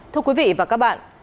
thưa quý vị và các bạn